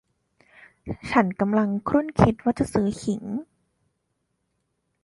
ฉันกำลังครุ่นคิดว่าจะซื้อขิง